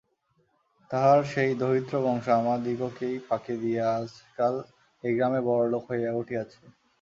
তাঁহার সেই দৌহিত্রবংশ আমাদিগকেই ফাঁকি দিয়া আজকাল এই গ্রামে বড়োলোক হইয়া উঠিয়াছে।